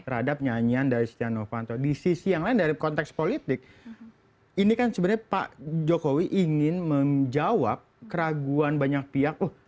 terhadap nyanyian dari setia novanto di sisi yang lain dari konteks politik ini kan sebenarnya pak jokowi ingin menjawab keraguan banyak pihak loh